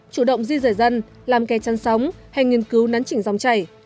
chủ động di rời dân làm kè chăn sóng hay nghiên cứu nắn chỉnh dòng chảy